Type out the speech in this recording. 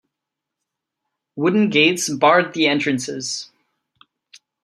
Wooden gates barred the entrances.